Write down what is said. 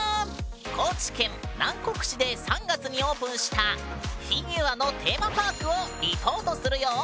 高知県南国市で３月にオープンしたフィギュアのテーマパークをリポートするよ！